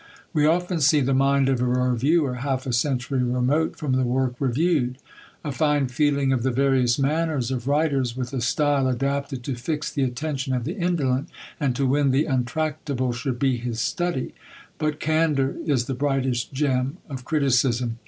We often see the mind of a reviewer half a century remote from the work reviewed. A fine feeling of the various manners of writers, with a style adapted to fix the attention of the indolent, and to win the untractable, should be his study; but candour is the brightest gem of criticism!